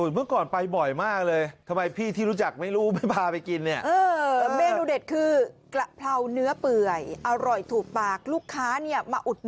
เมื่อก่อนไปบ่อยมากเลย